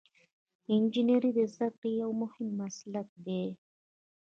انجنیری د زده کړې یو مهم مسلک دی.